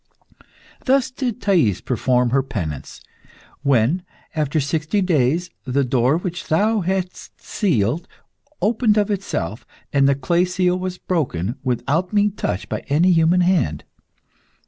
Thus did Thais perform her penance, when, after sixty days, the door which thou hadst sealed opened of itself, and the clay seal was broken without being touched by any human hand.